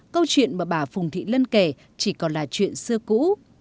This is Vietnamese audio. câu chuyện mà bà phùng thị lân kể chỉ còn là chuyện xưa cũ